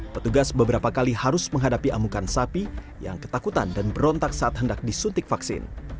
petugas beberapa kali harus menghadapi amukan sapi yang ketakutan dan berontak saat hendak disuntik vaksin